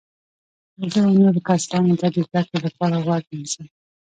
زه و نورو کسانو ته د زده کړي لپاره غوږ نیسم.